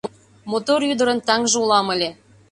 Мотор ӱдырын таҥже улам ыле.